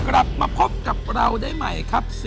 กลับมาพบกับเราได้ใหม่ครับ